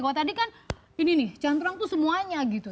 kalau tadi kan ini nih cantrang tuh semuanya gitu